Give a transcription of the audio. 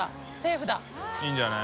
圍函いいんじゃない？